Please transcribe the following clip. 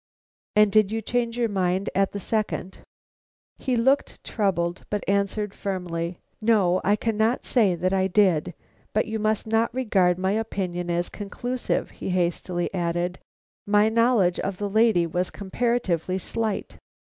"And did you change your mind at the second?" He looked troubled, but answered firmly: "No, I cannot say that I did. But you must not regard my opinion as conclusive," he hastily added. "My knowledge of the lady was comparatively slight."